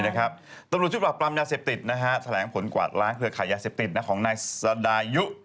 นี่นะครับตำรวจชูปรับกรรมยาเสพติศนะฮะแสลงผลกวาดล้างเผื่อขายยาเสพติศนะของนายสดายุ